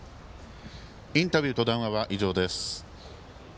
インタビューと談話は以上です。